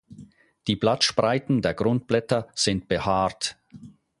Die Blattspreiten der Grundblätter sind behaart.